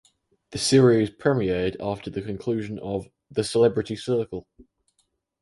The series premiered after the conclusion of "The Celebrity Circle".